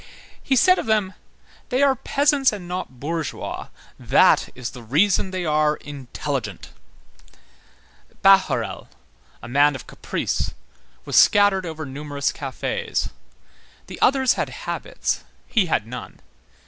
He said of them: "They are peasants and not bourgeois; that is the reason they are intelligent." Bahorel, a man of caprice, was scattered over numerous cafés; the others had habits, he had none.